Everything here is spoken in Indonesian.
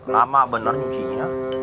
lama bener nyuci nya